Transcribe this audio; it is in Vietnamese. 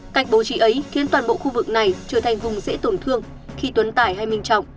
cách bố trí ấy khiến toàn bộ khu vực này trở thành vùng dễ tổn thương khi tuấn tải hay minh trọng